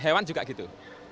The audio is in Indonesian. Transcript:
hewan juga gitu